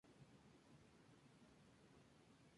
Es monumento Nacional.